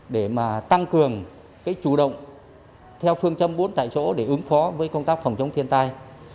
để mà tăng cường chủ động theo phương châm bốn tại chỗ để ứng phó với công tác phòng chống thiên tai